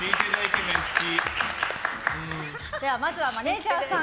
まずはマネジャーさん